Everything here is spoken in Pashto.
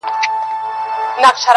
او د درد نښې لري تل-